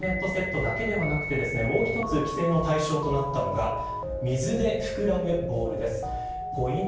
今回マグネットセットだけではなくてもう一つ規制の対象となったのが水で膨らむボールです。